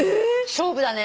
勝負だね。